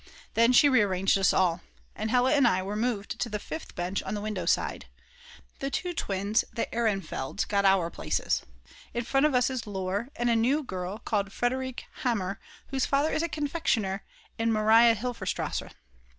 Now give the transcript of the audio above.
Then she rearranged us all, and Hella and I were moved to the 5th bench on the window side; the two twins, the Ehrenfelds got our places; in front of us is Lohr and a new girl called Friederike Hammer whose father is a confectioner in Mariahilferstrasse.